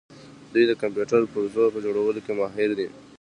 دوی د کمپیوټر پرزو په جوړولو کې ماهر دي.